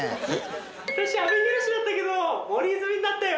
私阿部寛だったけど森泉になったよ。